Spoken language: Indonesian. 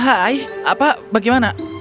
hai apa bagaimana